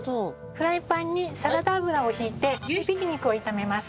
フライパンにサラダ油を引いて牛ひき肉を炒めます。